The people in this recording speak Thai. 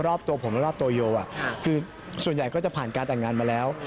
รอบตัวผมและรอบตัวโยคือส่วนใหญ่ก็จะผ่านการแต่งงานมาแล้ว